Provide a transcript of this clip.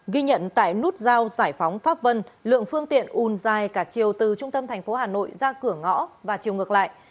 ghi nhận tại nút giao giải phóng pháp vân lượng phương tiện ùn dài cả chiều từ trung tâm thành phố hà nội ra cửa ngõ và chiều ngược lại